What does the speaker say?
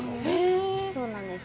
そうなんです。